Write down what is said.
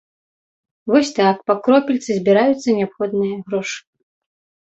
Вось так, па кропельцы, збіраюцца неабходныя грошы.